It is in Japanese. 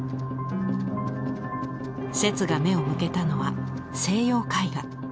摂が目を向けたのは西洋絵画。